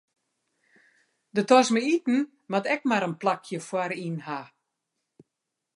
De tas mei iten moat ek mar in plakje foaryn ha.